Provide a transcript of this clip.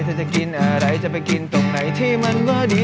จะกินอะไรจะไปกินตรงไหนที่มันก็ดี